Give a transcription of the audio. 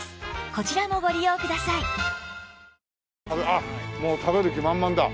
あっもう食べる気満々だ。